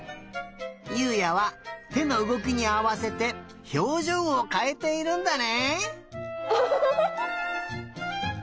優海也はてのうごきにあわせてひょうじょうをかえているんだね！